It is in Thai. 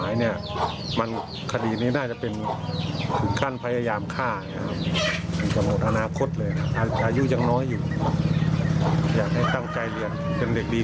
ยังไล่จับไม่ได้นะครับตอนนี้